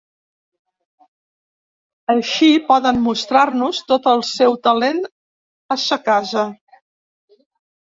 Així, poden mostrar-nos tot el seu talent a sa casa.